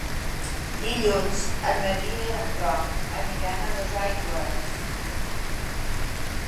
Dilluns en Maria i en Roc aniran a Dosaigües.